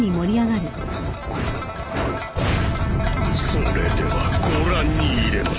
それではご覧に入れます。